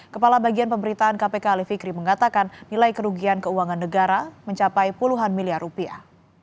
kepala bagian pemberitaan kpk alif fikri mengatakan nilai kerugian keuangan negara mencapai puluhan miliar rupiah